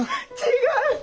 違う！